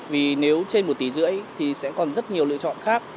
vì nếu trên một tỷ rưỡi thì sẽ còn rất nhiều lựa chọn khác